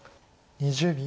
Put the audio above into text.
２０秒。